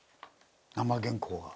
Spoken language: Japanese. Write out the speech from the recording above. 生原稿が。